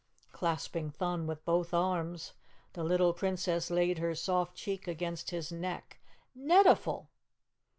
Clasping Thun with both arms, the little Princess laid her soft cheek against his neck. "NETIFUL!"